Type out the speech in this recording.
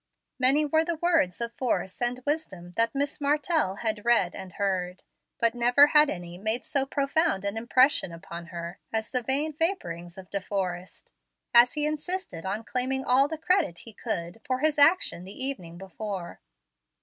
Many were the words of force and wisdom that Miss Martell had read and heard, but never had any made so profound an impression upon her as the vain vaporings of De Forrest, as he insisted on claiming all the credit he could for his action the evening before.